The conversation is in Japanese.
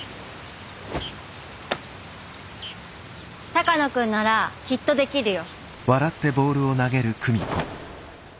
鷹野君ならきっとできるよ。